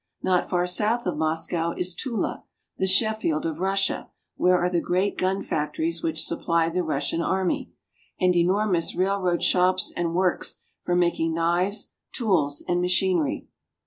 Not far south of Moscow is Tula, the Sheffield of Russia, where are the great gun factories which supply the Russian army, and enormous railroad shops and works for making knives, tools, and machinery.